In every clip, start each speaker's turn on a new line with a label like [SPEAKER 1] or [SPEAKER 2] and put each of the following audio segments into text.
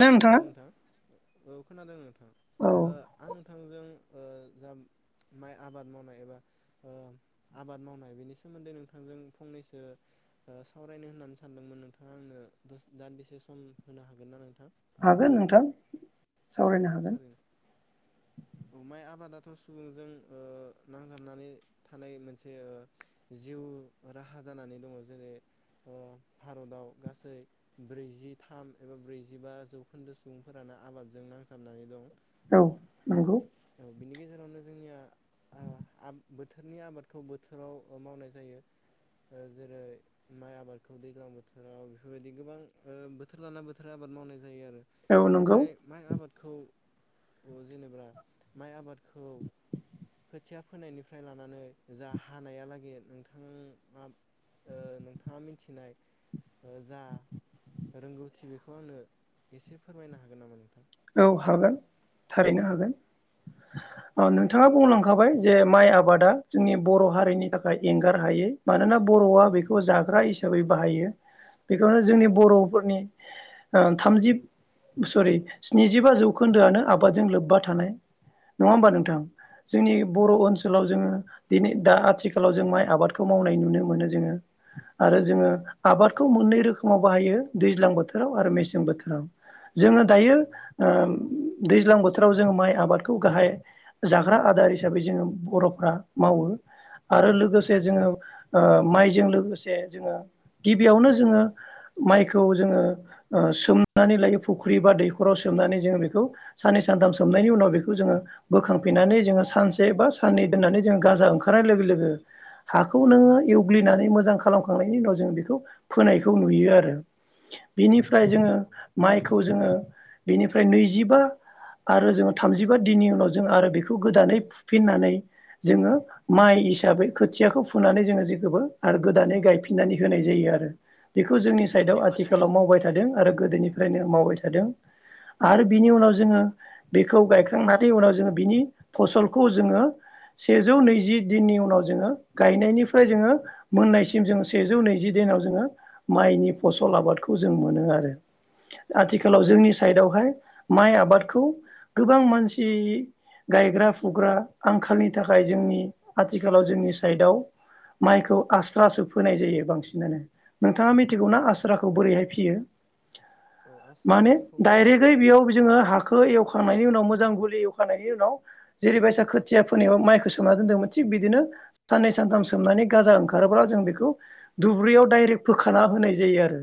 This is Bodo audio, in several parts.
[SPEAKER 1] ना
[SPEAKER 2] हेल'
[SPEAKER 1] नोंथाङा
[SPEAKER 2] नोंथां औ खोनादों नोंथां
[SPEAKER 1] औ
[SPEAKER 2] आं न थांजों जा माइ आबाद मावनाय एबा आबाद मावनाय बेनि सोमोन्दै नोंथांजों फंनैसो सावरायनो होननानै सानदोंमोन नोंथाङा आंनो दान्दिसे सम होनो हागोन ना नोंथां
[SPEAKER 1] हागोन नोंथां सावरायनो हागोन
[SPEAKER 2] अ माइ आबादाथ' सुबुंजों नांजाबनानै थानाय मोनसे जिउ राहा जानानै दङ जेरै भारतआव गासै ब्रैजिथाम एबा ब्रैजिबा जौखोन्दो सुबुंफोरानो आबादजों नांजाबनानै दं।
[SPEAKER 1] औ नोंगौ
[SPEAKER 2] औ बिनि गेजेरावनो जोंनिया बोथोरनि आबादखौ बोथोराव मावनाय जायो जेरै माइ आबादखौ दैज्लां बोथोराव बेफोरबायदि गोबां बोथोर लाना बोथोर आबाद मावनाय जायो। जायो आरो
[SPEAKER 1] औ नंगौ
[SPEAKER 2] बेनिफ्राय माइ आबाद खौ जेनेबा माइ आबादखौ खोथिया फोनायनिफ्राय लानानै जा हानायालागै नोंथाङा नोंथाङा मिथिनाय जा रोंगौथि बेखौ आंनो एसे फोरमायनो हागोन नामा नोंथाङा?
[SPEAKER 1] औ हागोन थारैनो हागोन औ नोंथाङा बुंलांखाबाय जे माइ आबादा जोंनि बर' हारिनि थाखाय एंगार हाय मानोना बर'आ बेखौ
[SPEAKER 2] नंगौ नंगौ
[SPEAKER 1] जाग्रा हिसाबै बाहायो। बेखौनो जोंनि बर'फोरनि थामजि सरि स्निजिबा जौखोन्दोआनो आबादजों लोब्बा थानाय नङा होमबा नोंथां। जोंनि
[SPEAKER 2] औ
[SPEAKER 1] बर'
[SPEAKER 2] औ
[SPEAKER 1] ओनसोलाव जोङो दिनै दा आथिखालाव जों माइ आबादखौ मावनाय नुनो मोनो जोङो आरो जोङो आबादखौ मोननै रोखोमाव बाहायो दैज्लां बोथोराव आरो मेसें बोथोराव। जोङो
[SPEAKER 2] नंगौ
[SPEAKER 1] दायो
[SPEAKER 2] नंगौ
[SPEAKER 1] दैज्लां बोथोराव जोङो माइ आबादखौ गाहाय जाग्रा आदार हिसाबै जोङो बर'फ्रा मावो। आरो
[SPEAKER 2] नंगौ
[SPEAKER 1] लोगोसे
[SPEAKER 2] नंगौ
[SPEAKER 1] जोङो माइजों लोगोसे जोङो गिबियावनो जोङो माइखौ जोङो सोमनानै लायो फुख्रि बा दैखर न'खराव सोमनानै जोङो बेखौ साननै सानथाम सोमनायनि उनाव बेखौ जोङो बोखांफिननानै जोङो सानसे बा साननै दोननानै जोङो गाजा ओंखारनाय लोगो लोगो हाखौ नोङो एवग्लिनानै मोजां खालामखांनायनि उनाव जोङो बेखौ फोनायखौ नुयो आरो।
[SPEAKER 2] औ
[SPEAKER 1] बिनिफ्राय जोङो
[SPEAKER 2] नंगौ
[SPEAKER 1] माइखौ जोङो बेनिफ्राय नैजिबा आरो जोङो थामजिबा दिननि उनाव जों आरो बेखौ गोदानै फुफिननानै जोङो माइ हिसाबै खोथियाखौ फुनानै जोङो जेखौबो आरो गोदानै गायफिननानै होनाय जायो आरो। बेखौ जोंनि
[SPEAKER 2] नंगौ
[SPEAKER 1] साइडआव
[SPEAKER 2] नंगौ
[SPEAKER 1] आथिखालाव मावबाय थादों आरो गोदोनिफ्रायनो मावबाय थादों। आरो बिनि उनाव जोङो बेखौ गायखांनानै उनाव जोङो आरो बिनि उनाव जोंङो बेखौ गाखांनानै बिनि फसलखौ जोङो सेजौ नैजि दिननि उनाव जोङो गायनायनिफ्राय जोङो मोननायसिम जोङो सेजौ नैजि दिनाव जोङो माइनि फसल आबादखौ जों मोनो आरो।
[SPEAKER 2] नंगौ
[SPEAKER 1] आथिखालाव जोंनि
[SPEAKER 2] नंगौ
[SPEAKER 1] माइ आबादखौ गोबां मानसि गायग्रा फुग्रा आंखालनि थाखाय जोंनि आथिखालाव जोंनि साइडआव माइखौ आस्रासो फोनाय जायो बांसिनानो। नोंथाङा
[SPEAKER 2] औ
[SPEAKER 1] मिथिगौना
[SPEAKER 2] औ
[SPEAKER 1] आस्राखौ बोरैहाय फियो?
[SPEAKER 2] औ आस्रा माइखौ नों
[SPEAKER 1] डाइरेक्टै बेयाव जोङो हाखौ एवखांनायनि उनाव मोजां गलि एवखांनायनि उनाव जेरैबायायसा खोथिया फोननिायाव माइखौ सोमना दोनदोंमोन थिग बिदिनो साननै सानथाम सोमनानै गाजा ओंखारोब्ला जों बेखौ दुब्रियाव डाइरेक्ट फोखाना होनाय जायो आरो।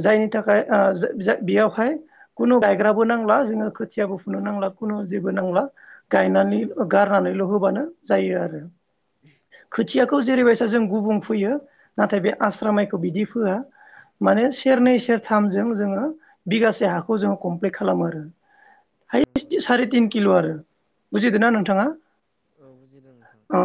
[SPEAKER 2] औ
[SPEAKER 1] जायनि
[SPEAKER 2] औ
[SPEAKER 1] थाखाय
[SPEAKER 2] औ
[SPEAKER 1] आ जो जो बेयावहाय खुनु गायग्राबो नांला जोङो खोथियाबो फुनो नांला खुनु जेबो नांला गायनानै
[SPEAKER 2] नंगौ नंगौ
[SPEAKER 1] गारनानैल' होबानो जायो आरो। खोथियाखो जेरैबायसा जों गुबुं फैयो नाथाय बे आस्रा
[SPEAKER 2] औ
[SPEAKER 1] माइखौ
[SPEAKER 2] औ
[SPEAKER 1] बिदि फोआ माने सेरनै सेरथामजों जोङो बिगासे हाखौ खौ जोङो कमप्लिट खालामो आरो। हायस
[SPEAKER 2] नंगौ
[SPEAKER 1] थि
[SPEAKER 2] नंगौ
[SPEAKER 1] सारि तिन किल' आरो। बुजिदोंना नों थाङा
[SPEAKER 2] औ बुजिदों नोंथां
[SPEAKER 1] आ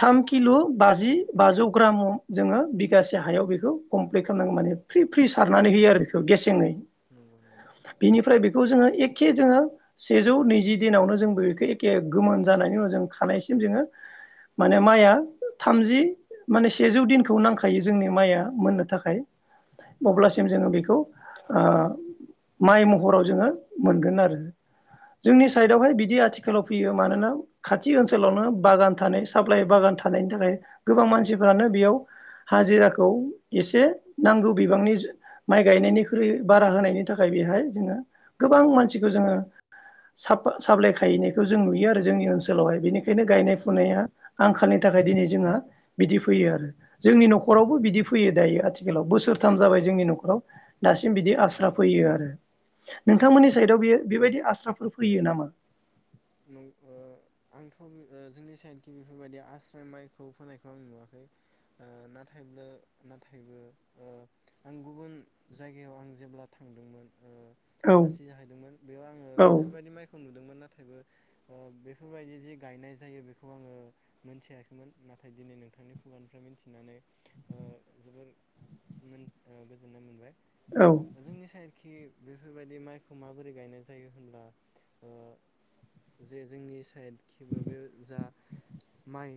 [SPEAKER 1] थाम किल' बाजि बाजौ ग्राम जोङो बिगासे हायाव बेखौ कमप्लिट खालामनांगौ माने फ्रि फ्रि सारनानै होयो आरो बेखौ गेसेङै।
[SPEAKER 2] नंगौ। नंगौ
[SPEAKER 1] बेनिफ्राय बेखौ जोङो एखे जोङो सेजौ नैजि दिनावनो जों बेखौ एखे गोमोन जानायनि उनाव जों खानायसिम जोङो माने माइआ थामजि माने सेजौ दिनखौ नांखायो जोंनि माइया मोननो थाखाय।
[SPEAKER 2] औ
[SPEAKER 1] अब्लासिम
[SPEAKER 2] औ
[SPEAKER 1] जोङो
[SPEAKER 2] औ
[SPEAKER 1] बेखौ
[SPEAKER 2] जोङो
[SPEAKER 1] आ
[SPEAKER 2] बेखौ
[SPEAKER 1] माइ महराव जोङो मोनगोन आरो। जोंनि
[SPEAKER 2] नंगौ
[SPEAKER 1] साइडआवहाय
[SPEAKER 2] नंगौ
[SPEAKER 1] बिदि आथिालाव फोयो मानोना खाथि ओनसोलावनो बागान थानाय साप्लाइ बागान थानायनि थाखाय गोबां मानसिफ्रानो बेयाव हाजिराखौ एसे नांगौ बिबांनि माइ गायनायनिख्रुइ बारा होनायनि नि थाखाय बेहाय जोङो गोबां मानसिखौ जोङो साफ साफलायखायनायखौ जों नुयो आरो जोंनि ओनसोलावहाय बेनिखायनो गायनाय फुनाया आंखालनि थाखाय दिनै जोंहा बिदि फैयो आरो जोंनि
[SPEAKER 2] औ
[SPEAKER 1] न'खरावबो
[SPEAKER 2] औ
[SPEAKER 1] बिदि
[SPEAKER 2] औ
[SPEAKER 1] फैयो दायो आथिखालाव बोसोरथाम जाबाय जोंनि न'खराव दासिम बिदि
[SPEAKER 2] नंगौ
[SPEAKER 1] आस्राब
[SPEAKER 2] नंगौ
[SPEAKER 1] नोंथांमोननि साइदआव बियो बेबायदि आस्राफोर फैयो नामा?
[SPEAKER 2] न ओ आंथ' ओ जोंनि साइडखि बेफोरबायदि आस्राय माइखौ फोनायखौ आं नुवाखै नाथायबो ओ नाथायबो आं गुबुन जायगायाव आं जेब्ला थांदोंमोन ओ
[SPEAKER 1] औ
[SPEAKER 2] आलासि जाहैदोंमोन बेयाव आङो
[SPEAKER 1] औ
[SPEAKER 2] बेफोरबायदि माइखौ नु दोंमोन नाथायबो ओ बेफोरबायदि जि गायनाय जायो बेखौ आङो मोनथियाखैमोन नाथाय दिनै नोंथांनि खुगानिफ्राय मिथिनानै ओ जोबोर गोजोननाय मोनबाय।
[SPEAKER 1] औ
[SPEAKER 2] जोंनि साइद खि बेफोरबायाददि माइखौ माबोरै गायनाय जायो होनब्ला जे जोंनि साइडखिबो बे जा माइ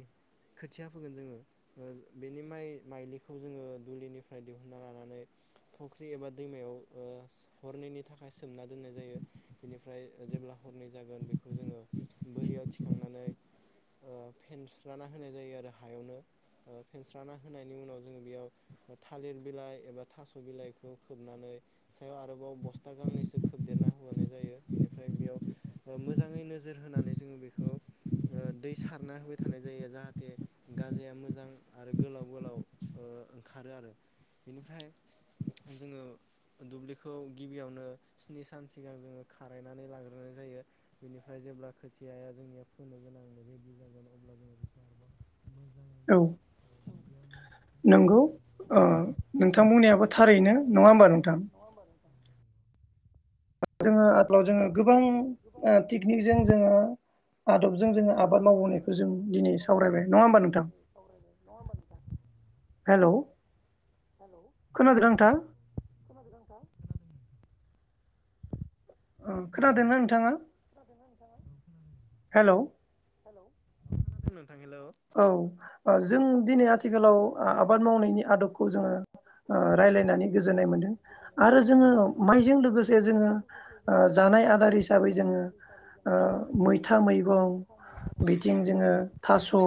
[SPEAKER 2] खोथिया फोगोन जोङो ओ बेनि माइ माइलिखौ जोङो दुलिनिफ्राय दिहुनन्ना लानानै फख्रि एबा दैमायाव ओ हरनैनि थाखाय सोमना दोननाय जायो बेनिफ्राय जेब्ला हरनै जागोन बेखौ जोङो बोरियाव थिखांनानै ओ फेनस्राना होनाय जायो आरो हायावनो फेनस्राना होनायनि उनाव जोङो बेयाव थालिर बिलाइ एबा थास' बिलाइखौ खोबनानै सायाव आरोबाव बस्था गांनैसो खोबदेरना होबाय जायो बेनिफ्राय बेयाव मो मोजाङै नोजोर होनानै जोङो बेखौ ओ दै सारना होबाय थानाय जायो जाहाथे गाजाया मोजां आरो गोलाव गोलाव ओ ओंखारो आरो बेनिफ्राय जोङो दुब्लिखौ गिबियावनो स्नि सान सिगां जोङो खारायनानै लाग्रोनाय जायो। बेनिफ्राय जेब्ला खोथियाया जोंनिया फोनो गोनां रेडि जागोन अब्ला जोङो बेखौ आरोबाव मोजाङैनो
[SPEAKER 1] औ
[SPEAKER 2] दया
[SPEAKER 1] नंगौ
[SPEAKER 2] मोनजासेखौवनानै
[SPEAKER 1] ओ नोंथां बुंनायाबो थारैनो
[SPEAKER 2] नोंथांमोननिाबो
[SPEAKER 1] नङा होमबा
[SPEAKER 2] थारैनो
[SPEAKER 1] नोंथां
[SPEAKER 2] नङा होमबा नों
[SPEAKER 1] जोङो
[SPEAKER 2] ओ
[SPEAKER 1] आगोलाव जोङो गोबां
[SPEAKER 2] आथिखालाव जोङो गोबां
[SPEAKER 1] थिग दिनिजों जोङो आदबजों जोङो आबाद
[SPEAKER 2] आदबजों जोङो
[SPEAKER 1] मावबोनायखौ जों
[SPEAKER 2] आबाद
[SPEAKER 1] दिनै सावरायबाय
[SPEAKER 2] मावनायखौ जों
[SPEAKER 1] नङा होमबा नोंथां
[SPEAKER 2] दिनै सावरायबाय नङा होमबा
[SPEAKER 1] हेलौ।
[SPEAKER 2] हेल'
[SPEAKER 1] खोनादोंना नोंथां
[SPEAKER 2] खोनादो ना नोंथां।
[SPEAKER 1] ओ खोनादोंना नोंथाङा
[SPEAKER 2] खोनायाखै नोंथाङा
[SPEAKER 1] हेलौ।
[SPEAKER 2] हेल' [unintelligible]
[SPEAKER 1] औ ओ जों दिनै आथिखालाव आ आ बाद
[SPEAKER 2] खोनादों नोंथां
[SPEAKER 1] मावनायनि
[SPEAKER 2] हेलौ
[SPEAKER 1] आदबखौ
[SPEAKER 2] आबाद
[SPEAKER 1] जोङो ओ
[SPEAKER 2] मावनायनि आदबखौ जोङो
[SPEAKER 1] रायलायनानै
[SPEAKER 2] ओ
[SPEAKER 1] गोजोननाय मोनदों
[SPEAKER 2] रायलायनानै गोजोननाय
[SPEAKER 1] आरो
[SPEAKER 2] मोनदों
[SPEAKER 1] जोंङो
[SPEAKER 2] आरो
[SPEAKER 1] मायजों
[SPEAKER 2] जोङो
[SPEAKER 1] लोगोसे जोंङो
[SPEAKER 2] माइजों लोगोसे
[SPEAKER 1] ओ
[SPEAKER 2] जोङो
[SPEAKER 1] जानाय
[SPEAKER 2] ओ
[SPEAKER 1] आदार हिसाबै
[SPEAKER 2] जानाय
[SPEAKER 1] जोंङो
[SPEAKER 2] आदार हिसाबै
[SPEAKER 1] ओ
[SPEAKER 2] जोङो ओ
[SPEAKER 1] मैथा मैगं
[SPEAKER 2] मैथा मैगं
[SPEAKER 1] बिथिं जोंङो थास स',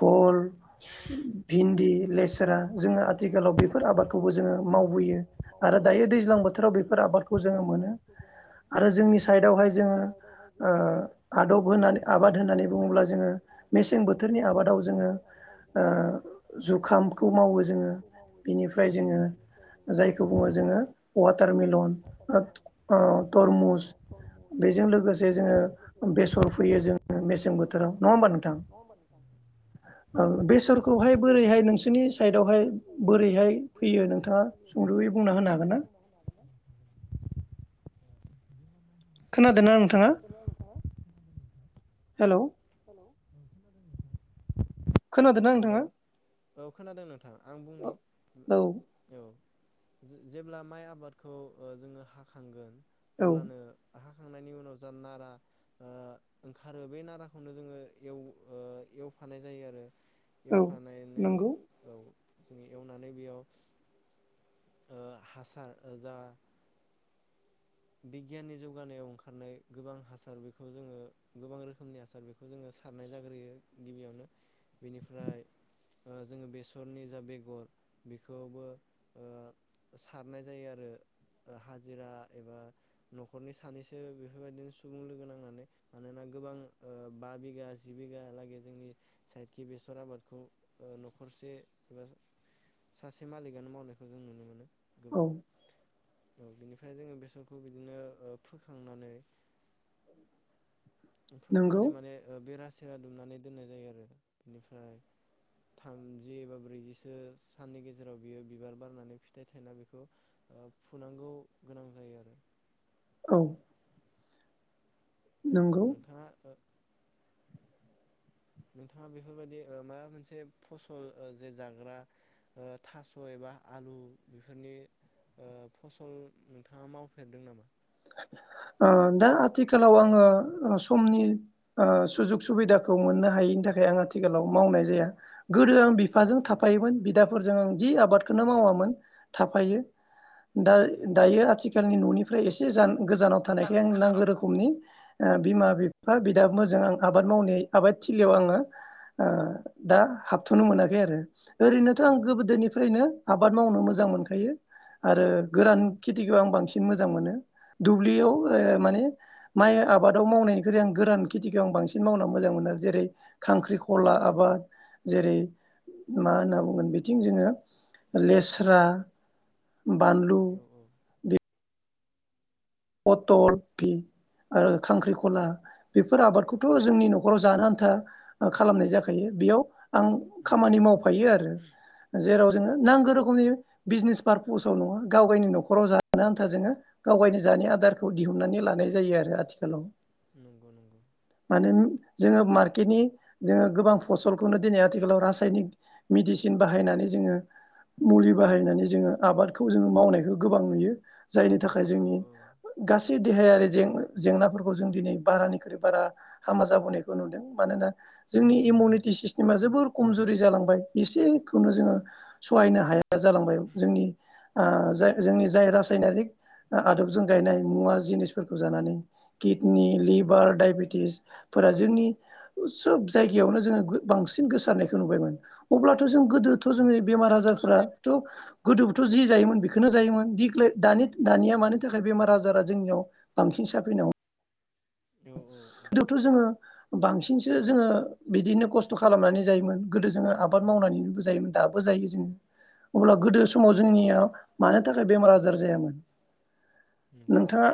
[SPEAKER 1] भल,
[SPEAKER 2] भल
[SPEAKER 1] भिन्दि लेसरा
[SPEAKER 2] भिन्दि
[SPEAKER 1] जोङो
[SPEAKER 2] लेस्रा
[SPEAKER 1] आथिखालाव
[SPEAKER 2] जों
[SPEAKER 1] बेफोर आबादखौबो
[SPEAKER 2] आथिखालाव
[SPEAKER 1] जोङो
[SPEAKER 2] बेफोर आबादखौबो
[SPEAKER 1] मावबोयो
[SPEAKER 2] जोङो
[SPEAKER 1] आरो
[SPEAKER 2] मावबोयो
[SPEAKER 1] दायो दैज्लां
[SPEAKER 2] आरो
[SPEAKER 1] बोथोराव
[SPEAKER 2] दायो
[SPEAKER 1] बेफोर
[SPEAKER 2] दैज्लां
[SPEAKER 1] आबादखौ
[SPEAKER 2] बोथोराव
[SPEAKER 1] जोङो
[SPEAKER 2] बेफोर
[SPEAKER 1] मोनो
[SPEAKER 2] आबादखौ जोङो मोनो
[SPEAKER 1] आरो जोंनि
[SPEAKER 2] आरो
[SPEAKER 1] साइदावहाय
[SPEAKER 2] जोंनि
[SPEAKER 1] जोङो
[SPEAKER 2] साइडआवहाय
[SPEAKER 1] ओ
[SPEAKER 2] जों ओ
[SPEAKER 1] आदब होनानै आबाद
[SPEAKER 2] आदब
[SPEAKER 1] होननानै बुङोब्ला
[SPEAKER 2] आबाद
[SPEAKER 1] जोङो
[SPEAKER 2] होननानै बुङोब्ला
[SPEAKER 1] मेसें
[SPEAKER 2] जोङो
[SPEAKER 1] बो नि आबाद
[SPEAKER 2] मेसें
[SPEAKER 1] जोङो
[SPEAKER 2] बोथोरनि आबादाव
[SPEAKER 1] ओ
[SPEAKER 2] जोङो ओ
[SPEAKER 1] जुखा बेखौ मावो जोङो
[SPEAKER 2] जुखामखौ मावो
[SPEAKER 1] बिनिफ्राय जोङो
[SPEAKER 2] बेनिफ्राय जोङो
[SPEAKER 1] जायखौ बुङो जोङो वाटारमेलन ओब
[SPEAKER 2] वाटारमेलन
[SPEAKER 1] ओ
[SPEAKER 2] ओ
[SPEAKER 1] तरमुस।
[SPEAKER 2] तरमुस
[SPEAKER 1] बेजों लोगोसे जोङो
[SPEAKER 2] बेजों लोगोसे जोङो
[SPEAKER 1] बेसर फैयो जोङो
[SPEAKER 2] बेसर
[SPEAKER 1] मेसें
[SPEAKER 2] फैयो जोङो
[SPEAKER 1] बोथोराव। नङा
[SPEAKER 2] मेसें
[SPEAKER 1] होमबा नोंथां?
[SPEAKER 2] बोथोराव नङा होमबा नोंथां
[SPEAKER 1] ओं
[SPEAKER 2] औ
[SPEAKER 1] बेसरखौहाय बोरैहाय
[SPEAKER 2] बेसरखौहाय
[SPEAKER 1] नोंस
[SPEAKER 2] बोरैहाय नोंसोरनि साइदआवहाय
[SPEAKER 1] फैयो
[SPEAKER 2] बोरैहाय
[SPEAKER 1] नोंथाङा
[SPEAKER 2] फैयो नोंथाङा
[SPEAKER 1] सुंद'यै बुंना होनो हागोन
[SPEAKER 2] सुंद'यै
[SPEAKER 1] ना
[SPEAKER 2] बुंना होनो हागोन ना? जोंना माइ माइ
[SPEAKER 1] खोनादो ना
[SPEAKER 2] आबादखौ
[SPEAKER 1] नोंथाङा?
[SPEAKER 2] खोनादोंना नोंथाङा? खोनादों नोंथां
[SPEAKER 1] हेलौ
[SPEAKER 2] हेलौ औ खोनादों नोंथां।
[SPEAKER 1] खोनादो ना
[SPEAKER 2] हेलौ
[SPEAKER 1] नोंथाङा?
[SPEAKER 2] औ खोनादों नोंथां आं बुंनि
[SPEAKER 1] औ
[SPEAKER 2] औ। जो जेब्ला माइ आबादखौ ओ जोङो हाखांगोन।
[SPEAKER 1] औ
[SPEAKER 2] अब्लानो हा खांनायनि उनाव जा नारा ओ ओंखारो बे नाराखौनो जोङो एव ओ एवफानाय जायो आरो
[SPEAKER 1] औ
[SPEAKER 2] एवफायनायनै
[SPEAKER 1] नंगौ
[SPEAKER 2] जोङो एवनानै बेयाव ओ हासार ओ जा बिगियाननि जौगानायाव ओंखारनाय गोबां हासार बेखौ जोङो गोबां रोखोमनि हासार बेखौ जोङो सारनाय जाग्रोयो गिबियावनो बेनिफ्राय ओ जोङो बेसरनि जा बेगर बेखौबो ओ सारनाय जायो आरो ओ हाजिरा एबा न'खरनि सानैसो बेफोरबायदिनो सुबुं लोगो नांनानै। मानोना गोबां ओ बा बिगा जि बिघा लागै जोंनि साइडखि बेसर आबादखौ न'खरसे एबा सासे मालिकानो मावनायखौ जों नुनो मोनो। गोबां
[SPEAKER 1] औ
[SPEAKER 2] औ बेनिफ्राय जोङो बे बेसरखौ बिदिनो ओ फोखांनानै
[SPEAKER 1] औ
[SPEAKER 2] फोखांनानै माने ओ बेरासि बेरा दुमनानै दोननाय जायो आरो बिनिफ्राय थामजि एबा ब्रैजिसो साननि गेजेराव बियो बिबार बारनानै फिथाइ थायना बेखौ फुनांगौ गोनां जायो आरो
[SPEAKER 1] औ।
[SPEAKER 2] औ
[SPEAKER 1] नंगौ
[SPEAKER 2] नोंथाङा ओ नोंथाङा बेफोरबायदि ओ मायबा मोनसे फसल ओ जे जाग्रा ओ थास' एबा आलु बेफोरनि ओ फसल नोंथाङा मावफेरदों नामा?
[SPEAKER 1] ओ दा आथिखालाव आङो समनि ओ सुजुग सुबिदाखौ मोननो हायैनि थाखाय आं आथिखालाव मावनाय जाया। गोदो आं
[SPEAKER 2] औ
[SPEAKER 1] बिफाजों
[SPEAKER 2] औ
[SPEAKER 1] थाफायोमोन बिदा फोरजों जि आबादखौनो मावामोन थाफायो। दा
[SPEAKER 2] नंगौ
[SPEAKER 1] दायो आथिखालनि न'नि फ्रेस जान गोजानाव थानायखाय आं
[SPEAKER 2] नंगौ
[SPEAKER 1] नांगौ रोखोमनि ओ बिमा बिफा बिदाफोरजों आं आबाद मावनाय आबाद थिलियाव आङो ओ दा हाबथ'नो मोनाखै आरो ओरैनोथ' आं
[SPEAKER 2] नंगौ नंगौ
[SPEAKER 1] गोदोनिफ्रायनो आबाद मावनो मोजां मोनखायो आरो गोरान खेथिखौ आं बांसिन मोजां मोनो दुब्लियाव
[SPEAKER 2] औ
[SPEAKER 1] ओ माने
[SPEAKER 2] औ
[SPEAKER 1] माइ आबादाव मावनायनिख्रुइ आं गोरान खेथिखौ आं बांसिन मावना मोजां मोनो जेरै खांख्रिखला आबाद जेरै मा होनना बुंगोन बिथिं जोङो लेस्रा बानलु
[SPEAKER 2] औ औ
[SPEAKER 1] बे पटल आरो खांख्रिखला बेफोर आबादखौथ' जोंनि न'खराव जानो आन्था खालामनाय जाखायो बेयाव आं
[SPEAKER 2] नंगौ
[SPEAKER 1] खामानि
[SPEAKER 2] नंगौ
[SPEAKER 1] मावफायो आरो जेराव [unintelligible] नांगौ रोखोमनि बिजनेस पारपस आव नङा गाव गायनि नख'राव जानो आन्था जोङो गाव गायनि जानि आदारखौ दिहुननानै लानाय जायो आरो आथिखालाव मानो
[SPEAKER 2] [inaudible]
[SPEAKER 1] जोङो मार्केटनि जोङो गोबां फसलखौनो दिनै आथिखालाव रासायनिक मेडिसिन बाहायनानै जोङो मुलि बाहायनानै जोङो आबादखौ जोङो मावनायखौ गोबां नुयो जायनि थाखाय
[SPEAKER 2] औ
[SPEAKER 1] जोंनि
[SPEAKER 2] औ
[SPEAKER 1] गासै देहायारिे जेंनाफोरखौ जों दिनै बारानिख्रुइ बारा हामा जाबोनायखौ नुदों मानोना जोंनि
[SPEAKER 2] नंगौ
[SPEAKER 1] इमिउनिटि
[SPEAKER 2] नंगौ
[SPEAKER 1] सिस्टेमा जोबोर खमजुरि जालांबाय एसेखौनो जोङो सहायनो हाया जालांबाय जोंनि जाय जोंनि जाय रासायनारिक आदब जों गायनाय मुवा जिनिसफोरखौ जानानै गित किडनि
[SPEAKER 2] नंगौ
[SPEAKER 1] लिभार
[SPEAKER 2] नंगौ
[SPEAKER 1] डायबेटिसफोरा जोंनि सोब जायगायावनो जोङो बांसिन गोसारनायखौ नुबायमोन अब्लाथ' जों गोदो थ' जोंनि बेमार आजारफोराथ' गोदोबोथ' जि जायोमोन बेखौनो जायोमोन दिग्लाय दानि दानिया माने [unintelligible] थाखाय बेमार आजारा जोंनियाव बांसिन साफैन ह
[SPEAKER 2] औ औ औ
[SPEAKER 1] [inaudible] द थ' जोङो बांसिनसो जोङो बिदिनो खस्थ' खालामनानै जायोमोन गोदो जोङो आबाद मावनानैबो जायोमोन दाबो जायो जोङो अब्ला गोदो समाव जोंनिया मानो थाखाय बेमार आजार जायामोन
[SPEAKER 2] नंगौ नंगौ
[SPEAKER 1] नोंथाङा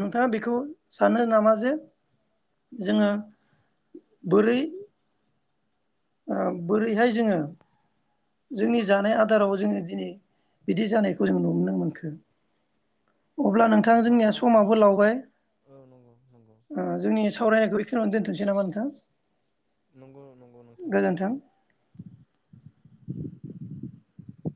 [SPEAKER 1] नोंथाङा बे खौ सानो नामा जे जोङो बोरै ओ बोरैहाय जोङो जोंनि जानाय आदाराव जोङो दिनै बिदि जानायखौ जों नुनो मोनखो
[SPEAKER 2] औ
[SPEAKER 1] अब्ला नोंथां जोंनिया
[SPEAKER 2] ओ आं
[SPEAKER 1] समाबो
[SPEAKER 2] सम
[SPEAKER 1] लावबाय
[SPEAKER 2] औ नंगौ नंगौ
[SPEAKER 1] ओ जोंनि सावरायनायखौ बेखौनो दोनथोंसै जेनिबा नोंथां
[SPEAKER 2] नंगौ नंगौ औ नोंथां गोजोन्थों